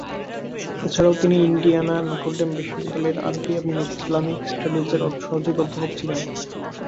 এছাড়াও তিনি Indiana Notre Dame বিশ্ববিদ্যালয়ের আরবি এবং ইসলামিক স্টাডিজের সহযোগী অধ্যাপক ছিলেন।